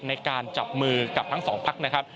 ในการจับมือกับทั้งสองพักนะครับ